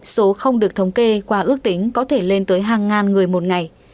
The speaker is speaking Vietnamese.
số không được thống kê qua ước tính có thể lên tới hàng ngàn người một ngày